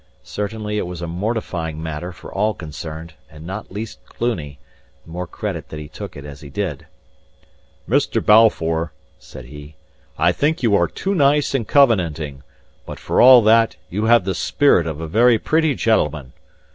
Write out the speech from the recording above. Certainly it was a mortifying matter for all concerned, and not least Cluny; the more credit that he took it as he did. "Mr. Balfour," said he, "I think you are too nice and covenanting, but for all that you have the spirit of a very pretty gentleman.